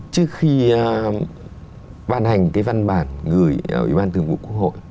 trước khi ban hành cái văn bản gửi ủy ban thường vụ quốc hội